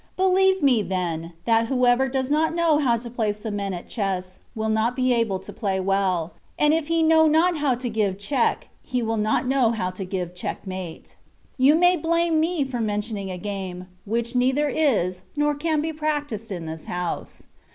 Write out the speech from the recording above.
Believe me, then, that whoever does not know how to place the men at chess, will not be able to play well ; and if he know not how to give " check/' he will not know how to give ^^ checkmate.''^ You may blame me for mentioning a game, which neither is, nor can be practised in this house.